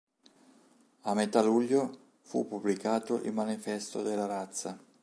A metà luglio fu pubblicato il Manifesto della razza.